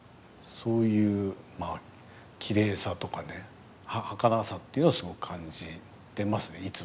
そういうきれいさとかねはかなさというのをすごく感じてますねいつも。